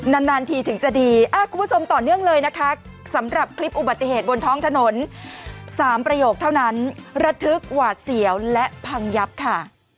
นานทีถึงจะดีคุณผู้ชมต่อเนื่องเลยนะคะสำหรับคลิปอุบัติเหตุบนท้องถนน๓ประโยคเท่านั้นระทึกหวาดเสียวและพังยับค่ะ